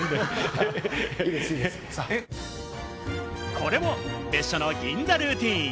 これも別所の銀座ルーティン。